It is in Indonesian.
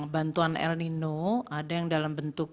bantuan el nino ada yang dalam bentuk